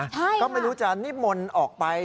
ใช่ก็ไม่รู้จะนิมนต์ออกไป